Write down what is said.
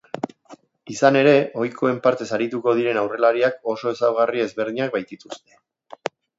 Izan ere, ohikoen partez arituko diren aurrelariak oso ezaugarri ezberdinak baitituzte.